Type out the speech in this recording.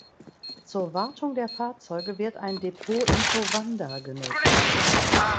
Zur Wartung der Fahrzeuge wird ein Depot in Towanda genutzt.